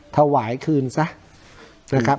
ถวายคืนซะนะครับ